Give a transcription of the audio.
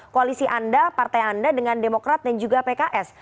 koalisi anda partai anda dengan demokrat dan juga pks